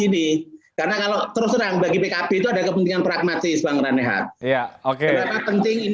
ini karena kalau terus terang bagi pkb itu ada kepentingan pragmatis bang raninhat ya oke kenapa penting